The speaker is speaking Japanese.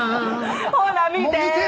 「ほら見て」